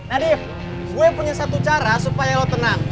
nadif gue punya satu cara supaya lo tenang